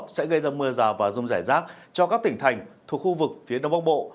sẽ gây ra mưa rào và rông rải rác cho các tỉnh thành thuộc khu vực phía đông bắc bộ